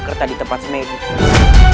mereka akan menjaga kerta di tempat smedia